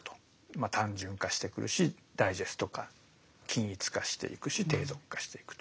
まあ単純化してくるしダイジェスト化均一化していくし低俗化していくと。